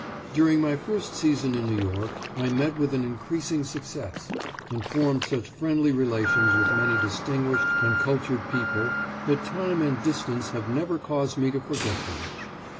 During my first season in New York I met with an increasing success, and formed such friendly relations with many distinguished and cultured people that time and distance have never caused me to forget them.